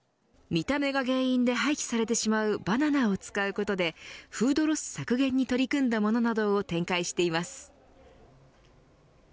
見た目が原因で廃棄されてしまうバナナを使うことでフードロス削減に取り組んだものなどを展開しています。